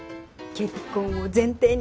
結婚を前提に。